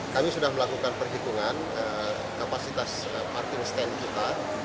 kami sudah melakukan perhitungan kapasitas parking stand kita